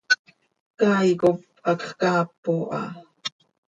Caay cop hacx caap oo ha.